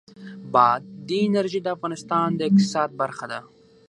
بادي انرژي د افغانستان د اقتصاد برخه ده.